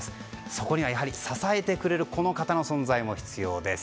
そこにはやはり支えてくれるこの方の存在も必要です。